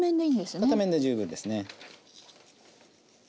片面で十分ですね。